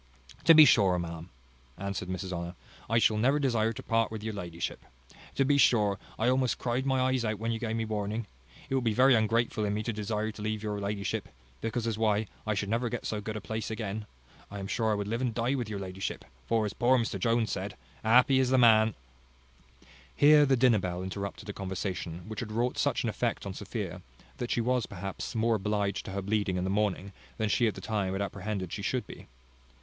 "To be sure, ma'am," answered Mrs Honour, "I shall never desire to part with your ladyship. To be sure, I almost cried my eyes out when you gave me warning. It would be very ungrateful in me to desire to leave your ladyship; because as why, I should never get so good a place again. I am sure I would live and die with your ladyship; for, as poor Mr Jones said, happy is the man " Here the dinner bell interrupted a conversation which had wrought such an effect on Sophia, that she was, perhaps, more obliged to her bleeding in the morning, than she, at the time, had apprehended she should be.